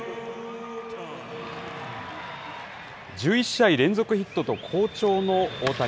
１１試合連続ヒットと好調の大谷。